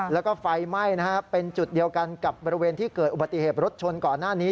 แล้วก็ไฟไหม้เป็นจุดเดียวกันกับบริเวณที่เกิดอุบัติเหตุรถชนก่อนหน้านี้